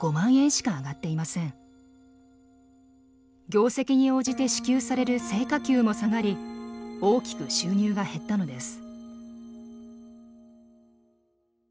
業績に応じて支給される成果給も下がり大きく収入が減ったのです。